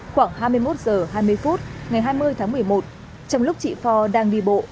khoảng hai mươi một h hai mươi phút ngày hai mươi tháng một mươi một trong lúc chị phò đang đi bộ